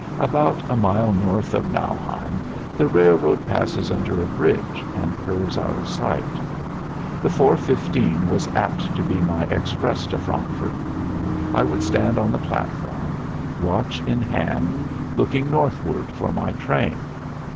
About a mile north of Nauheim the railroad passes under a bridge and curves out of sight. The four fifteen was apt to be my express to Frankfurt. I would stand on the platform, watch in hand, looking northward for my train.